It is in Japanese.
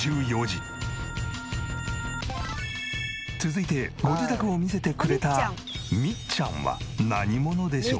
続いてご自宅を見せてくれたみっちゃんは何者でしょう？